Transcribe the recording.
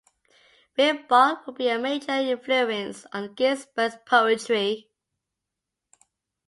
Rimbaud would be a major influence on Ginsberg's poetry.